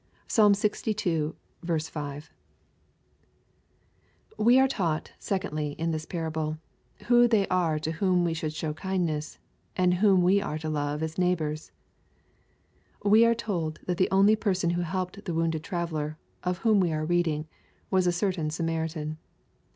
'' (Psalm Ixii. 5.) i We are taught, secondly, in this parable, who they are to whom we should show kindness ^ and whom we are to love as neighbors. We are told that the_imly person who helped the wounded traveller, of whom we are reading, was a certain Samaritan.